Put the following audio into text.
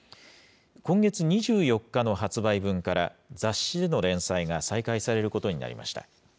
今月２４日の発売分から、雑誌での連載が再開されることになりました。